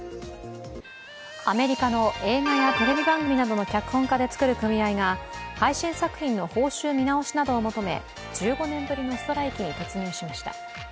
アメリカの映画やテレビ番組の脚本家で作る組合が、配信作品の報酬見直しなどを認め、１５年ぶりのストライキに突入しました。